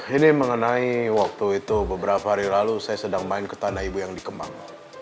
ini mengenai waktu itu beberapa hari lalu saya sedang main ke tanah ibu yang di kemang